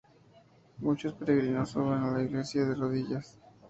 Muchos peregrinos suben a la iglesia de rodillas.